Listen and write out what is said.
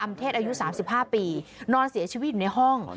เทศอายุ๓๕ปีนอนเสียชีวิตอยู่ในห้อง